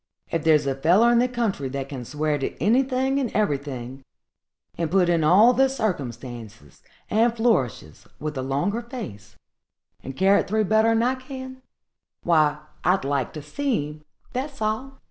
if thar's a feller in the country that can swear to anything and everything, and put in all the circumstances and flourishes with a longer face, and carry't through better'n I can, why, I'd like to see him, that's all!